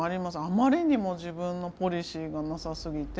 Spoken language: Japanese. あまりにも自分のポリシーがなさすぎて。